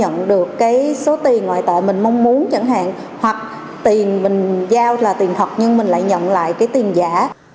không nhận được số tiền ngoại tệ mình mong muốn chẳng hạn hoặc tiền mình giao là tiền thật nhưng mình lại nhận lại tiền giả